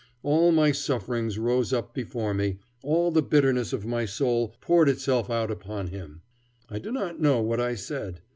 All my sufferings rose up before me, all the bitterness of my soul poured itself out upon him. I do not know what I said.